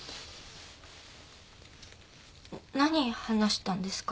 何話したんですか？